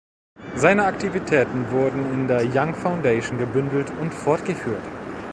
Seine Aktivitäten wurden in der Young Foundation gebündelt und fortgeführt.